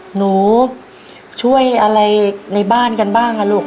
หนูช่วยอะไรในบ้านกันบ้างอ่ะลูก